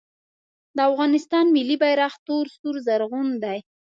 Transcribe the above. د افغانستان ملي بیرغ تور سور زرغون دی